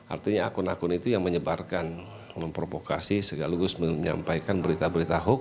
artinya akun akun itu yang menyebarkan memprovokasi segalugus menyampaikan berita berita hoax